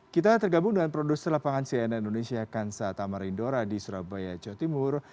kita tergabung dengan produser lapangan cnn indonesia kansa tamarindora di surabaya jawa timur